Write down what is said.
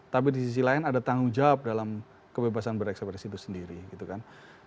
tapi di sisi lain ada tanggung jawab dalam kebebasan berekspresi itu sendiri gitu kan